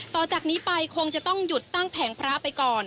ต่อจากนี้ไปคงจะต้องหยุดตั้งแผงพระไปก่อน